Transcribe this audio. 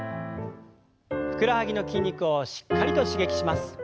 ふくらはぎの筋肉をしっかりと刺激します。